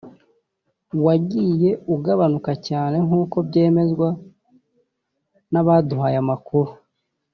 wagiye ugabanuka cyane nk’uko byemezwa n’abaduhaye amakuru